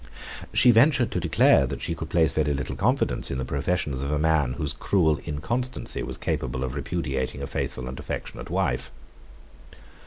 She ventured to declare, that she could place very little confidence in the professions of a man whose cruel inconstancy was capable of repudiating a faithful and affectionate wife."